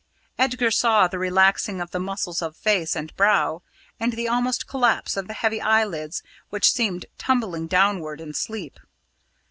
Edgar saw the relaxing of the muscles of face and brow, and the almost collapse of the heavy eyelids which seemed tumbling downward in sleep.